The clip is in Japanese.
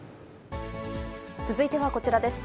続いてはこちらです。